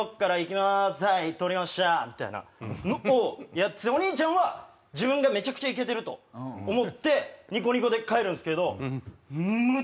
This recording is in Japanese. みたいのをやっててお兄ちゃんは自分がめちゃくちゃイケてると思ってニコニコで帰るんすけど。